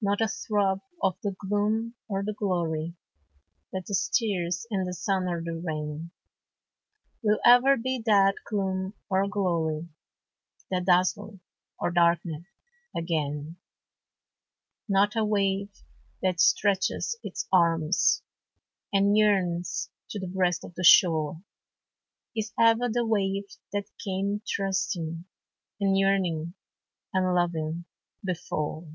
Not a throb of the gloom or the glory That stirs in the sun or the rain, Will ever be that gloom or glory That dazzled or darkened again. Not a wave that stretches its arms, And yearns to the breast of the shore, Is ever the wave that came trusting, And yearning, and loving, before.